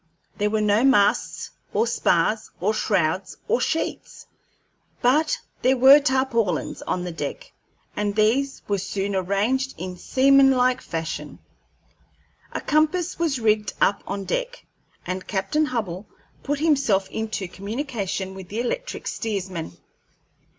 There were no masts or spars or shrouds or sheets, but there were tarpaulins on the deck, and these were soon arranged in seamanlike fashion. A compass was rigged up on deck, and Captain Hubbell put himself into communication with the electric steersman.